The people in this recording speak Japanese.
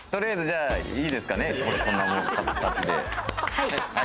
はい。